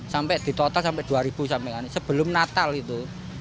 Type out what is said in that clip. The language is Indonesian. sampai ditotal sampai rp dua sampai kan sebelum natal itu